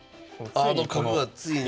あの角がついに！